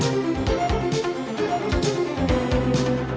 hẹn gặp lại